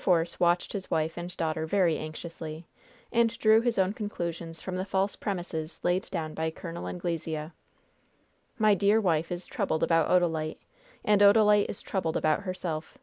Force watched his wife and daughter very anxiously, and drew his own conclusions from the false premises laid down by Col. Anglesea. "My dear wife is troubled about Odalite, and Odalite is troubled about herself.